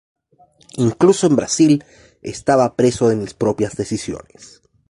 Incluso en Brasil estaba preso de mis propias decisiones.